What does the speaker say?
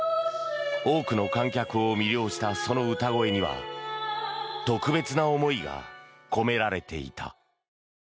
多くの観客を魅了したその歌声には特別な思いが込められていた。